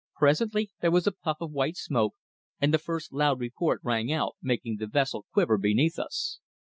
Presently there was a puff of white smoke and the first loud report rang out, making the vessel quiver beneath us.